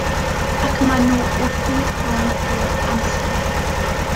Ac maen nhw wrthi bron drwy'r amser.